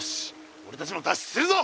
おれたちも脱出するぞ！